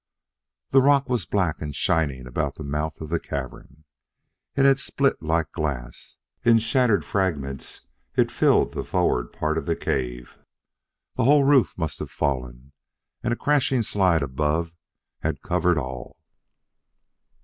The rock was black and shining about the mouth of the cavern. It had split like glass. In shattered fragments it filled the forward part of the cave. The whole roof must have fallen, and a crashing slide above had covered all.